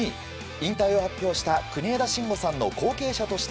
引退を発表した国枝慎吾さんの後継者として